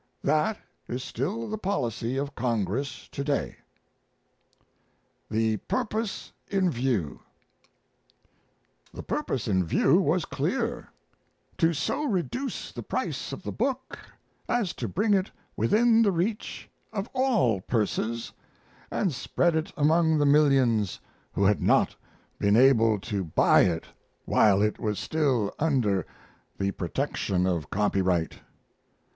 That is still the policy of Congress to day. The Purpose in View: The purpose in view was clear: to so reduce the price of the book as to bring it within the reach of all purses, and spread it among the millions who had not been able to buy it while it was still under the protection of copyright.